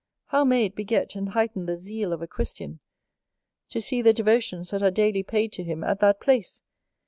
How may it beget and heighten the zeal of a Christian, to see the devotions that are daily paid to him at that place!